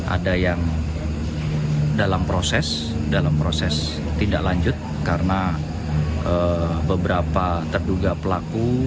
ada yang dalam proses dalam proses tindak lanjut karena beberapa terduga pelaku